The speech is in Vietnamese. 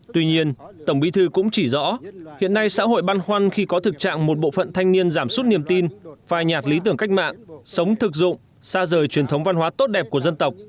tuy nhiên tổng bí thư cũng chỉ rõ hiện nay xã hội băn khoăn khi có thực trạng một bộ phận thanh niên giảm suốt niềm tin phai nhạt lý tưởng cách mạng sống thực dụng xa rời truyền thống văn hóa tốt đẹp của dân tộc